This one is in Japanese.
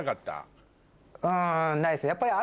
うんないっすね。